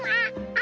あ。